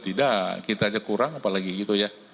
tidak kita aja kurang apalagi gitu ya